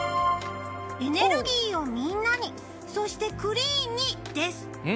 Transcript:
エネルギーをみんなにそしてクリーンにです。